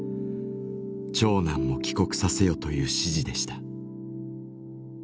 「長男も帰国させよ」という指示でした。